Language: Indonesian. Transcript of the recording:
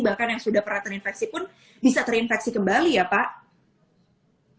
bahkan yang sudah pernah terinfeksi pun bisa terinfeksi kembali ya pak